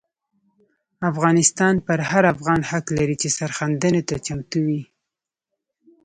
افغانستان پر هر افغان حق لري چې سرښندنې ته چمتو وي.